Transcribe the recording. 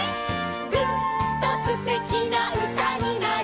「ぐっとすてきな歌になる」